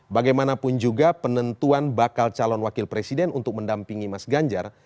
bagaimanapun juga penentuan bakal calon wakil presiden untuk mendampingi mas ganjar